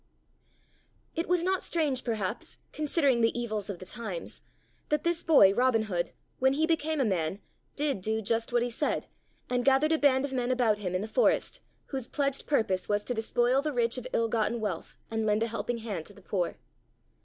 It was not strange, perhaps, considering the evils of the times, that this boy, Robin Hood, when he became a man, did do just what he said, and gathered a band of men about him in the forest whose pledged purpose was to despoil the rich of ill gotten wealth and lend a helping hand to the poor.